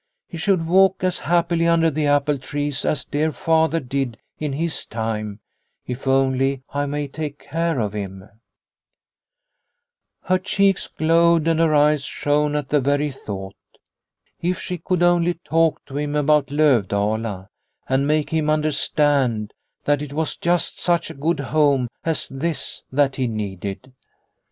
He should walk as happily under the apple trees as dear Father did in his time if only I may take care of him !" Her cheeks glowed and her eyes shone at the very thought. If she could only talk to him about Lovdala, and make him under stand that it was just such a good home as this that he needed.